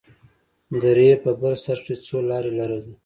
درې په بر سر کښې څو لارې لرلې.